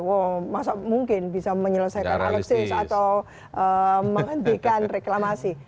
wah masa mungkin bisa menyelesaikan alutsis atau menghentikan reklamasi